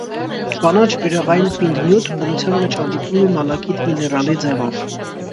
Կանաչ բյուրեղային պինդ նյութ, բնության մեջ հանդիպում է մալաքիտ միներալի ձևով։